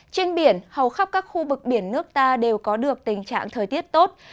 trên biển hầu khắp các khu vực biển nước ta đều có được tình trạng thời tiết tốt